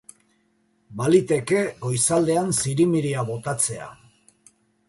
Baliteke goizaldean zirimiria botatzea.